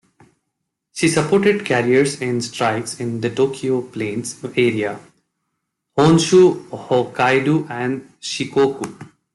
She supported carriers in strikes in the Tokyo Plains area, Honshu, Hokkaido, and Shikoku.